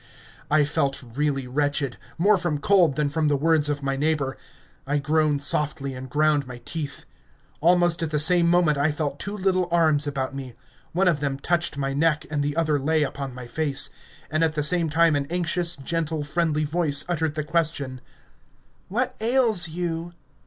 I felt really wretched more from cold than from the words of my neighbour. I groaned softly and ground my teeth. Almost at the same moment I felt two little arms about me one of them touched my neck and the other lay upon my face and at the same time an anxious, gentle, friendly voice uttered the question: "What ails you?"